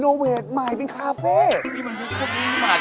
บอกว่าไม่ใช่ตลกน้ำบอล